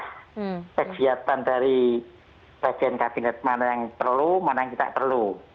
nah kegiatan dari bagian kabinet mana yang perlu mana yang tidak perlu